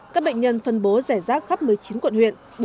các bệnh nhân phân bố rẻ rác khắp một mươi chín quận huyện